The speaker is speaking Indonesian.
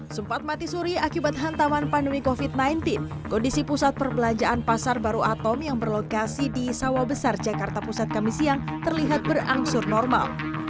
sempat mati suri akibat hantaman pandemi covid sembilan belas kondisi pusat perbelanjaan pasar baru atom yang berlokasi di sawah besar jakarta pusat kami siang terlihat berangsur normal